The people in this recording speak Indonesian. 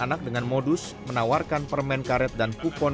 perempuan lama diragukan